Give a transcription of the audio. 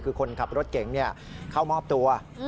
คือคนขับรถเก๋งเข้ามอบตัว